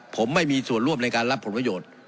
ผมไม่มีส่วนร่วมในการรับผลประโยชน์